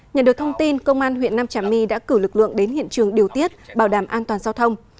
nhận được thông tin công an huyện nam trà my đã cử lực lượng đến hiện trường điều tiết bảo đảm an toàn giao thông